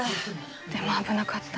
でも危なかった。